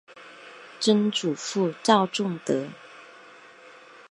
曾祖父赵仲德。